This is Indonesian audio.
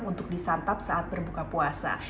untuk disantap saat berbuka puasa